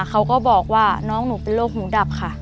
เขาก็บอกว่าน้องหนูเป็นโรคหูดับค่ะ